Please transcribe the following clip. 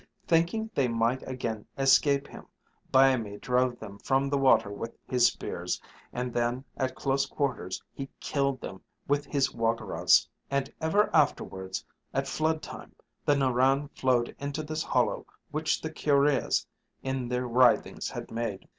Thinking they might again escape him, Byamee drove them from the water with his spears, and then, at close quarters, he killed them with his woggarahs. And ever afterwards at flood time, the Narran flowed into this hollow which the kurreahs in their writhings had made.